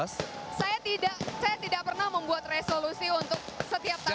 saya tidak pernah membuat resolusi untuk setiap tahun